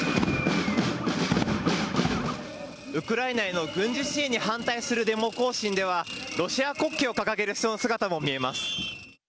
ウクライナへの軍事支援に反対するデモ行進では、ロシア国旗を掲げる人の姿も見えます。